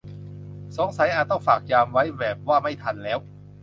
สงสัยอาจต้องฝากยามไว้ แบบว่าไม่ทันแล้ว